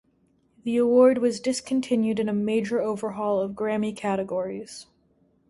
The award was discontinued in a major overhaul of Grammy categories.